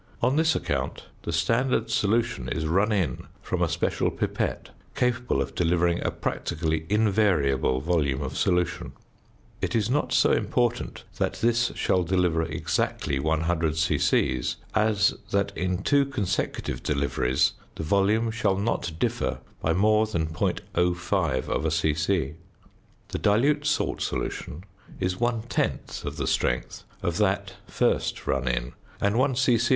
On this account the standard solution is run in from a special pipette capable of delivering a practically invariable volume of solution. It is not so important that this shall deliver exactly 100 c.c. as that in two consecutive deliveries the volume shall not differ by more than 0.05 c.c. The dilute salt solution is one tenth of the strength of that first run in, and 1 c.c.